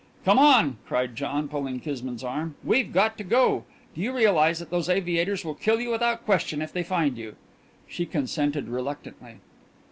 "Come on!" cried John, pulling Kismine's arm, "we've got to go. Do you realise that those aviators will kill you without question if they find you?" She consented reluctantly.